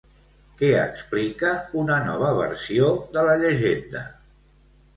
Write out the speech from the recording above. Què explica una nova versió de la llegenda?